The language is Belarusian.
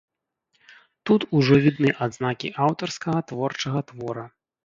Тут ужо відны адзнакі аўтарскага творчага твора.